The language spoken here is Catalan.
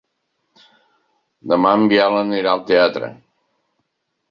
Demà en Biel anirà al teatre.